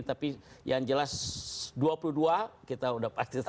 tapi yang jelas dua puluh dua kita sudah pasti